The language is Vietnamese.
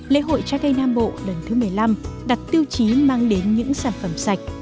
lễ hội trái cây nam bộ lần thứ một mươi năm đặt tiêu chí mang đến những sản phẩm sạch